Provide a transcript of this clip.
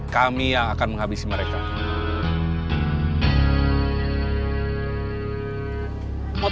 kita kumpul di belakang